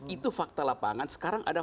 itu fakta lapangan sekarang ada